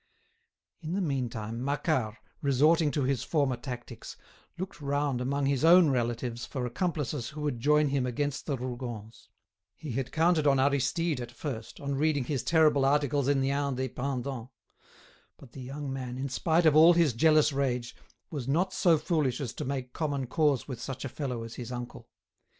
In the meantime, Macquart, resorting to his former tactics, looked round among his own relatives for accomplices who would join him against the Rougons. He had counted upon Aristide at first, on reading his terrible articles in the "Indépendant." But the young man, in spite of all his jealous rage, was not so foolish as to make common cause with such a fellow as his uncle.